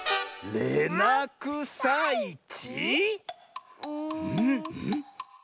れなくさいち！